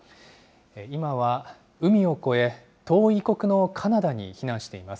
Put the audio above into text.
今は海を越え、遠い異国のカナダに避難しています。